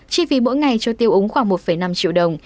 chi phí mỗi ngày cho tiêu úng khoảng một năm triệu đồng